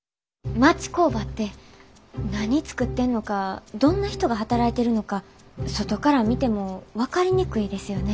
町工場って何作ってんのかどんな人が働いてるのか外から見ても分かりにくいですよね。